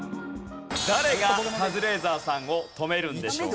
誰がカズレーザーさんを止めるんでしょうか？